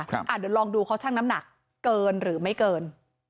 เดี๋ยวลองดูเขาช่างน้ำหนักเกินหรือไม่เกิน